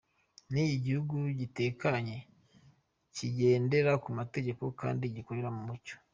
ni igihugu gitekanye, kigendera ku mategeko kandi gikorera mu mucyo.